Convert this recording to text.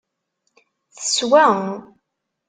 Teswa.